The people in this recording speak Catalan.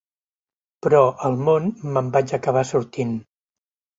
Però, al món, me'n vaig acabar sortint.